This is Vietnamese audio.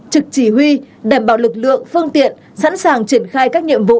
trực chỉ huy đảm bảo lực lượng phương tiện sẵn sàng triển khai các nhiệm vụ